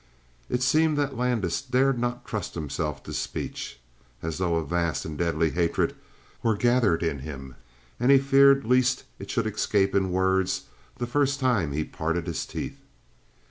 It seemed that Landis dared not trust himself to speech. As though a vast and deadly hatred were gathered in him, and he feared lest it should escape in words the first time he parted his teeth.